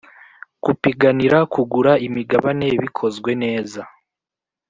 Gupiganira kugura imigabane bikozwe neza